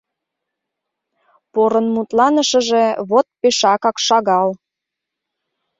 Порын мутланышыже вот пешакак шагал.